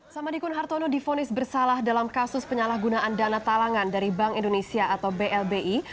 samadikun hartono difonis bersalah dalam kasus penyalahgunaan dana talangan dari bank indonesia atau blbi